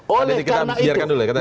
oleh karena itu